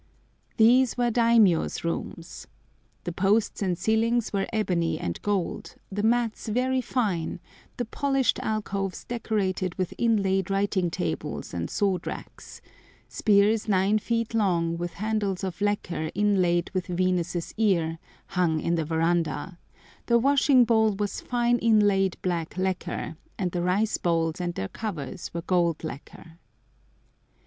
These were daimiyô's rooms. The posts and ceilings were ebony and gold, the mats very fine, the polished alcoves decorated with inlaid writing tables and sword racks; spears nine feet long, with handles of lacquer inlaid with Venus' ear, hung in the verandah, the washing bowl was fine inlaid black lacquer, and the rice bowls and their covers were gold lacquer.